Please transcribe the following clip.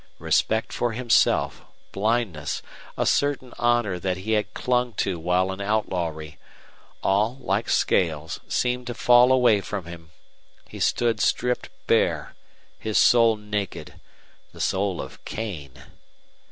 Respect for himself, blindness, a certain honor that he had clung to while in outlawry all, like scales, seemed to fall away from him. He stood stripped bare, his soul naked the soul of Cain.